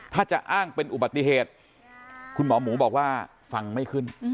ถ้าจะอ้างเป็นอุบัติเหตุคุณหมอหมูบอกว่าฟังไม่ขึ้น